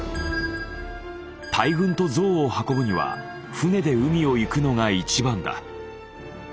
大軍とゾウを運ぶには船で海を行くのが一番だ。